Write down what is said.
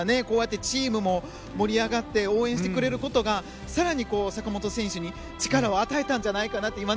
こうやってチームも盛り上がって応援してくれることが更に坂本選手に力を与えたんじゃないかなって。